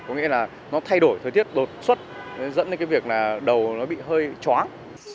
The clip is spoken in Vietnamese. có nghĩa là nó thay đổi thời tiết đột xuất dẫn đến cái việc là đầu nó bị hơi chóang